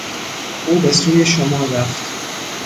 او به سوی شمال رفت.